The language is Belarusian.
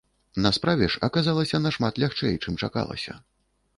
На справе ж аказалася нашмат лягчэй, чым чакалася.